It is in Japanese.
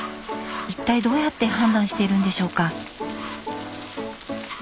一体どうやって判断しているんでしょうか？